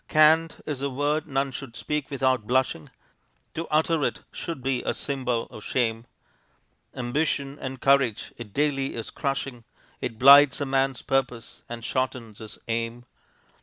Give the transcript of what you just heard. Can't is a word none should speak without blushing; To utter it should be a symbol of shame; Ambition and courage it daily is crushing; It blights a man's purpose and shortens his aim.